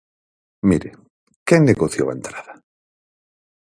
Mire, ¿quen negociou a entrada?